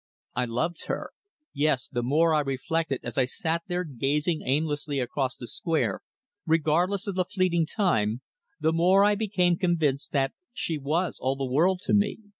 I loved her. Yes, the more I reflected as I sat there gazing aimlessly across the square, regardless of the fleeting time, the more I became convinced that she was all the world to me.